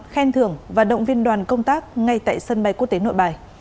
khen thưởng và động viên đoàn công tác ngay tại sân bay quốc tế nội bài